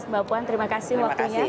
mbak puan terima kasih waktunya